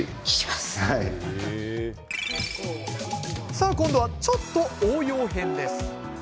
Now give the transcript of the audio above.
さあ今度は、ちょっと応用編です。